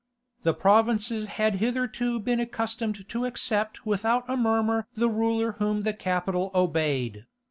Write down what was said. The provinces had hitherto been accustomed to accept without a murmur the ruler whom the capital obeyed.